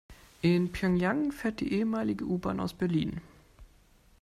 In Pjöngjang fährt die ehemalige U-Bahn aus Berlin.